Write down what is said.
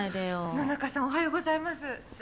野中さんおはようございます。